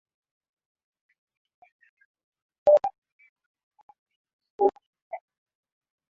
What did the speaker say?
asilimia ishirini na moja ya waingereza wanataka aachie kiti cha umalkia